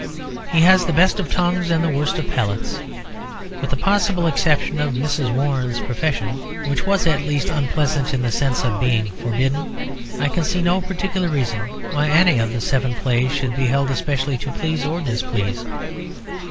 He has the best of tongues and the worst of palates. With the possible exception of Mrs. Warren's Profession (which was at least unpleasant in the sense of being forbidden) I can see no particular reason why any of the seven plays should be held specially to please or displease.